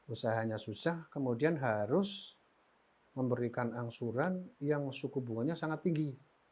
usahanya susah kemudian harus memberikan angsuran yang suku bunganya sangat tinggi